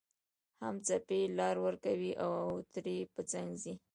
هم څپې لار ورکوي او ترې په څنګ ځي